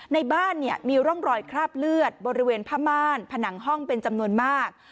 ในบ้านเนี่ยมีร่องรอยคราบเลือดบริเวณผ้าม่านผนังห้องเป็นจำนวนมาก